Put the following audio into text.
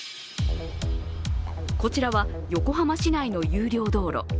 こちらは横浜市内の有料道路。